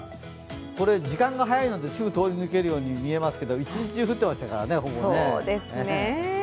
これ、時間が早いのですぐ通り抜けるように見えますけど一日中、降ってましたからほぼね。